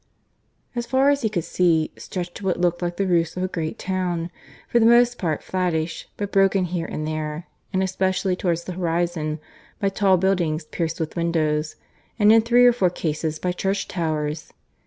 As far as he could see stretched what looked like the roofs of a great town, for the most part flattish, but broken here and there, and especially towards the horizon, by tall buildings pierced with windows, and in three or four cases by church towers.